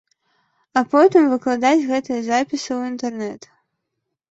А потым выкладаць гэтыя запісы ў інтэрнэт.